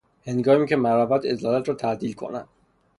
هنگامی که مروت عدالت را تعدیل کند